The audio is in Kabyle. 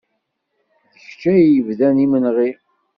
D kecc ay d-yebdan imenɣi.